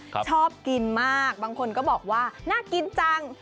ชอบกินมากบางคนก็บอกว่าน่ากินจัง